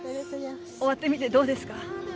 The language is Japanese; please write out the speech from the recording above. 終わってみてどうですか。